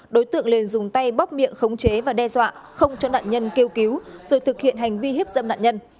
đối tượng liền dùng tay bóc miệng khống chế và đe dọa không cho nạn nhân kêu cứu rồi thực hiện hành vi hiếp dâm nạn nhân